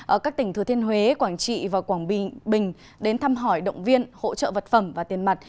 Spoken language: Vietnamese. ở các tỉnh thừa thiên huế quảng trị và quảng bình đến thăm hỏi động viên hỗ trợ vật phẩm và tiền mặt